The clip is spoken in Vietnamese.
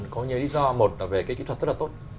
có những lý do một là về cái kỹ thuật rất là tốt